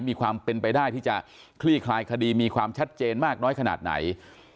มีความเป็นไปได้ที่จะคลี่คลายคดีมีความชัดเจนมากน้อยขนาดไหน